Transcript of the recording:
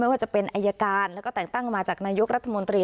ว่าจะเป็นอายการแล้วก็แต่งตั้งมาจากนายกรัฐมนตรี